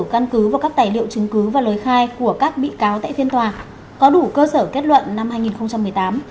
căn cứ và các tài liệu chứng cứ và lời khai của các bị cáo tại phiên tòa có đủ cơ sở kết luận năm hai nghìn một mươi tám